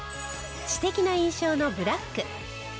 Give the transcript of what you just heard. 知的な印象のブラック。